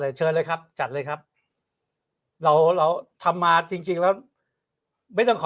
อะไรเชิญเลยครับจัดเลยครับเราทำมาจริงแล้วไม่ต้องขอ